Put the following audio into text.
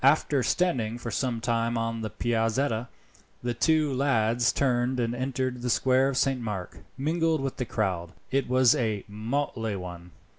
After standing for some time on the Piazzetta, the two lads turned and, entering the square of Saint Mark, mingled with the crowd. It was a motley one.